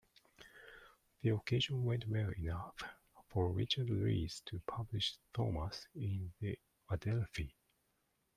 The occasion went well enough for Richard Rees to publish Thomas in the "Adelphi".